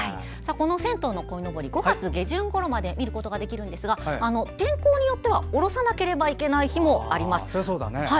銭湯のこいのぼりは５月下旬ごろまで見ることができるんですが天候によっては下ろさなければいけない日もあるわけですね。